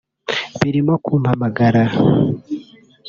birimo kumpamagara